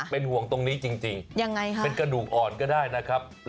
เป็นห่วงตรงนี้จริงเป็นกระดูกอ่อนก็ได้นะครับ